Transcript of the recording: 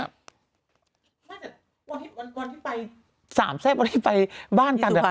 ไม่แต่วันที่ไปสามแซ่บวันที่ไปบ้านกัน